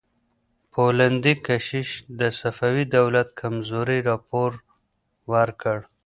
پولندي کشیش د صفوي دولت کمزورۍ راپور ورکړ.